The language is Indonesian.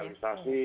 yang pertama adalah